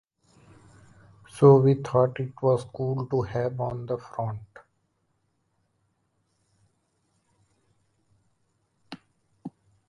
So we thought it was cool to have on the front.